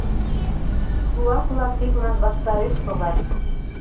Кулак-влак тидлан ваштареш шогат.